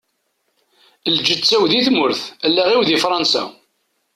Lǧetta-w di tmurt, allaɣ-iw di Fransa.